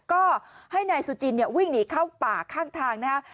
ก็ให้นายสุจินเนี่ยวิ่งหนีเข้าป่าข้างทางนะฮะ